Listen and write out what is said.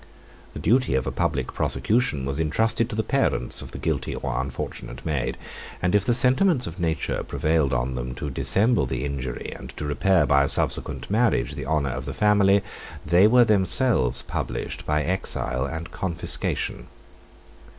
The duty of a public prosecution was intrusted to the parents of the guilty or unfortunate maid; and if the sentiments of nature prevailed on them to dissemble the injury, and to repair by a subsequent marriage the honor of their family, they were themselves punished by exile and confiscation.